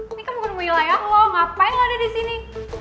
ini kan bukan wilayah lo ngapain lo ada disini